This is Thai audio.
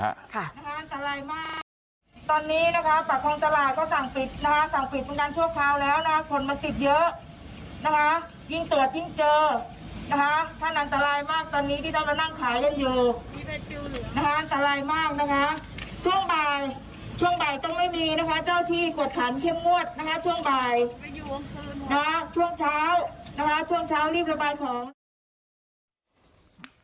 เจ้าหน้าที่ก็ต้องมาแจ้งบอกว่าไม่ได้นะเอาละออกไปเถอะ